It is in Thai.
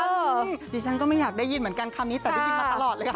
จริงดิฉันก็ไม่อยากได้ยินเหมือนกันคำนี้แต่ได้ยินมาตลอดเลยค่ะ